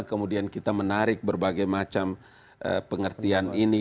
kemudian kita menarik berbagai macam pengertian ini